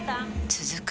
続く